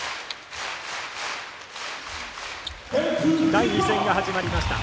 第２戦が始まりました。